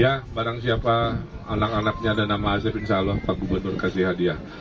ya barang siapa anak anaknya ada nama asep insya allah pak gubernur kasih hadiah